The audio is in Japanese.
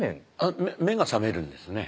目が覚めるんですね。